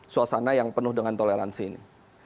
suasana yang penuh dengan toleransi ini